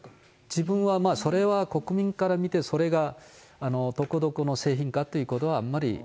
自分はまあ、それは国民から見て、それがどこどこの製品かということは、あまり分からない。